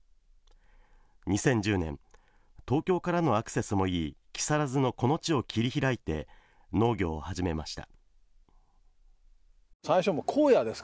２０１０年、東京からのアクセスもいい木更津のこの地を切り開いて農業を始めました。